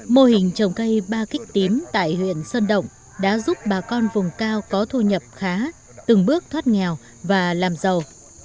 mô hình trồng cây ba kích tím tại huyện sơn động đã giúp bà con vùng cao có thu nhập khá từng bước thoát nghèo và làm giàu